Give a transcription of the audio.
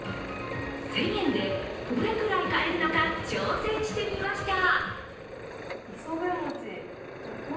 １０００円でどれくらい買えるのか、挑戦してみました。